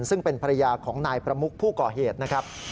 ซึ่งเป็นภรรยาของนายประมุกผู้ก่อเหตุนะครับ